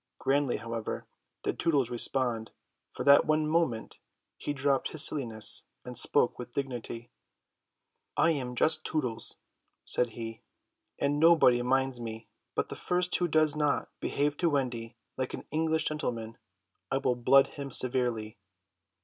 Grandly, however, did Tootles respond. For that one moment he dropped his silliness and spoke with dignity. "I am just Tootles," he said, "and nobody minds me. But the first who does not behave to Wendy like an English gentleman I will blood him severely."